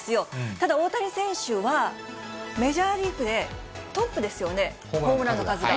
ただ、大谷選手はメジャーリーグでトップですよね、ホームランの数が。